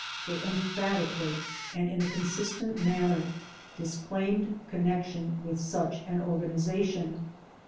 They emphatically and in a consistent manner disclaimed connection with such an organization.